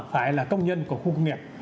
phải là công nhân của khu công nghiệp